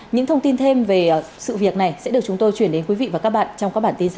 những thông tin thêm về sự việc này sẽ được chúng tôi chuyển đến quý vị và các bạn trong các bản tin sau